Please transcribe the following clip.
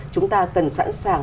chúng ta cần sẵn sàng